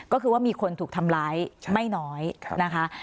ก็คือว่ามีคนถูกทำร้ายไม่น้อยนะคะ